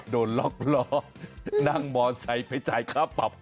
โดนล็อกล้อนั่งมอไซค์ไปจ่ายค่าปรับ